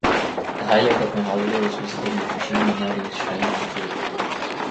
The highlight of my holiday was visiting the Fushimi Inari Shrine in Kyoto.